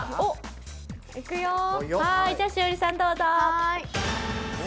いくよ。